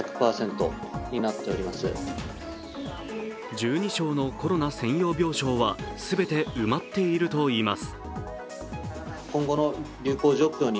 １２床のコロナ専用病床は全て埋まっているといいます。